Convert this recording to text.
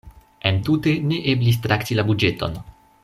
Entute ne eblis trakti la buĝeton.